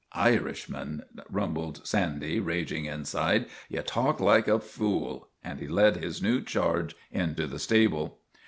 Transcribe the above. ' Irishman," rumbled Sandy, raging inside, ' ye talk like a fule," and he led his new charge into the stable.